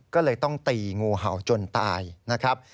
ก็เลยต้องตีงูเห่าจนตายนะครับ